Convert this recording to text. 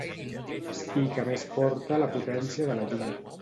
Fica més forta la potència de la llum.